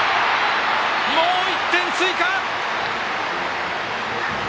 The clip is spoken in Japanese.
もう１点追加！